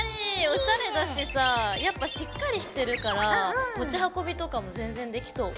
おしゃれだしさあやっぱしっかりしてるから持ち運びとかも全然できそう。